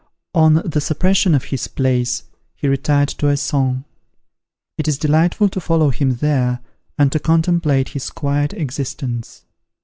On the suppression of his place, he retired to Essonne. It is delightful to follow him there, and to contemplate his quiet existence.